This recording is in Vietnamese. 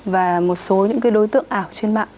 và một số những cái đối tượng ảo trên mạng